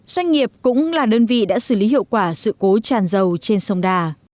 doanh nghiệp cũng là đơn vị đã xử lý hiệu quả sự cố tràn dầu trên sông đà